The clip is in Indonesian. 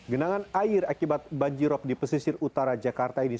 genangan air akibat banjirop di pesisir utara jakarta ini